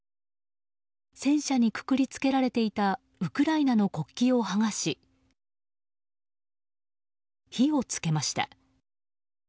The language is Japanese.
戦車にくくり付けられていたウクライナの国旗を剥がし火を付けました。